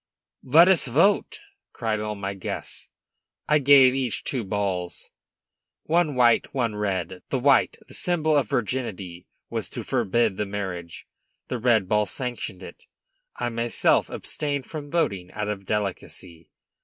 "Let us vote!" cried all my guests. I have each two balls, one white, one red. The white, symbol of virginity, was to forbid the marriage; the red ball sanctioned it. I myself abstained from voting, out of delicacy.